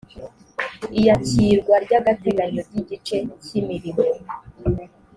iyakirwa ry agateganyo ry igice cy imirimo